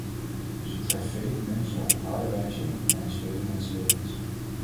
Ze treft vele mensen op een harde wijze en eist vele mensenlevens.